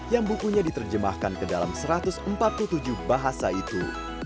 yang bukunya diterjemahkan ke dalam satu ratus empat puluh tujuh bahasa itu